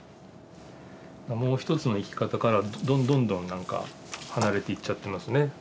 もう一つの生き方からどんどんなんか離れていっちゃってますね。